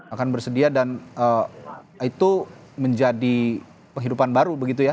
akan bersedia dan itu menjadi penghidupan baru begitu ya